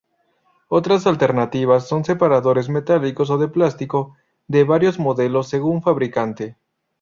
Otras alternativas son separadores metálicos o de plástico de varios modelos según fabricante.